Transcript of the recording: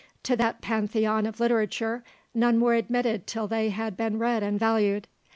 To that Pantheon of Literature none were admitted till they had been read and valued.